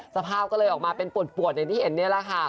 สภาพก็เลยออกมาเป็นปวดอย่างที่เห็นนี่แหละค่ะ